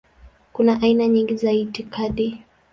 Kuna aina nyingi za itikadi.